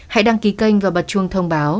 hãy đăng ký kênh và bật chuông thông báo